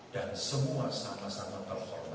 dan semua sama sama performa